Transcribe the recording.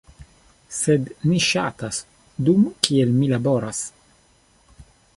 sed ni ŝatas, dum kiel mi laboras